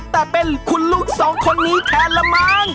แต่เป็นคุณลูกสองคนนี้แทนละมั้ง